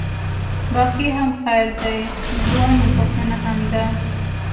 باقي هم خیر دی، دویمه پوښتنه هم ده.